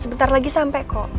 sebentar lagi sampe kok